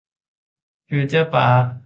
ฟิวเจอร์ปาร์ค